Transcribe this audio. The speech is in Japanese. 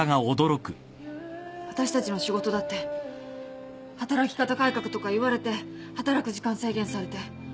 私たちの仕事だって働き方改革とかいわれて働く時間制限されて。